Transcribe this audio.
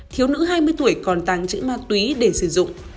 thiếu nữ hai mươi tuổi còn tăng chữ ma túy để sử dụng